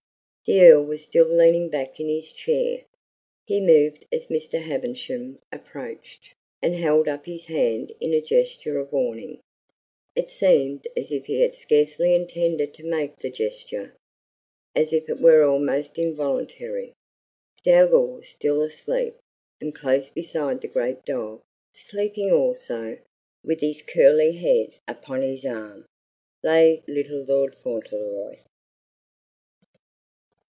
The Earl was still leaning back in his chair. He moved as Mr. Havisham approached, and held up his hand in a gesture of warning it seemed as if he had scarcely intended to make the gesture as if it were almost involuntary. Dougal was still asleep, and close beside the great dog, sleeping also, with his curly head upon his arm, lay little Lord Fauntleroy.